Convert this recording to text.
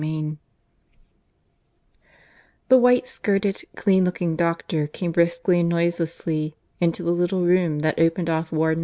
EPILOGUE The white skirted, clean looking doctor came briskly and noiselessly into the little room that opened off Ward No.